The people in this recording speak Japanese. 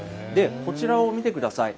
こちらを見てください。